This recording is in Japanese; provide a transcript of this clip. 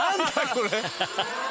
これ。